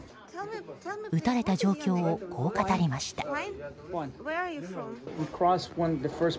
撃たれた状況をこう語りました。